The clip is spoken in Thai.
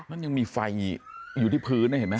มันยังมีไฟอยู่ที่พื้นเนี่ยเห็นมั้ย